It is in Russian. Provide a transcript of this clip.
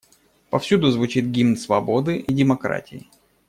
Повсюду звучит гимн свободы и демократии.